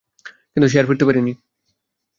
কিন্তু সে আর ফিরতে পারিনি।